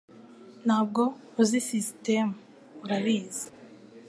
Ntabwo uzi sisitemu urabizi